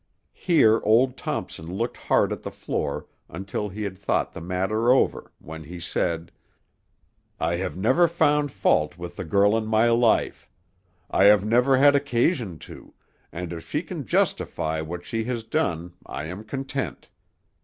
Here old Thompson looked hard at the floor until he had thought the matter over, when he said, "I have never found fault with the girl in my life; I have never had occasion to, and if she can justify what she has done I am content.